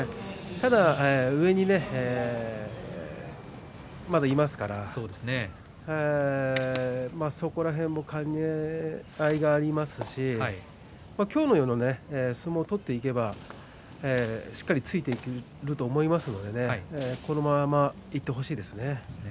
ただ上にまだいますからそこら辺の兼ね合いもありますし今日のような相撲を取っていけばしっかりついていけると思いますのでこのままいってほしいですね。